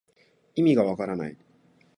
いみがわからない